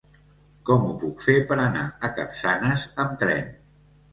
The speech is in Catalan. Com ho puc fer per anar a Capçanes amb tren?